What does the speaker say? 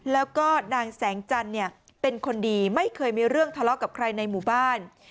แล้วก็นางแสงจันทร์เป็นคนดีไม่เคยมีเรื่องทะเลาะกับใครในหมู่บ้าน